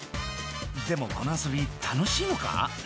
でもこの遊び楽しいのか？